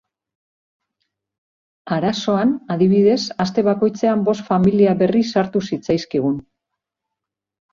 Arazoan, adibidez, aste bakoitzean bost familia berri sartu zitzaizkigun.